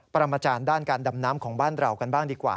ประมาณจารย์ด้านการดำน้ำของบ้านเรากันบ้างดีกว่า